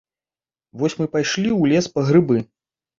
Вось мы пайшлі ў лес па грыбы.